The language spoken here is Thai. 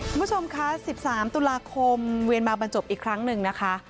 คุณผู้ชมคะ๑๓ตุลาคมเวียนมาบรรจบอีกครั้งหนึ่งนะคะ